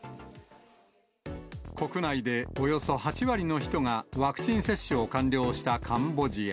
国内でおよそ８割の人がワクチン接種を完了したカンボジア。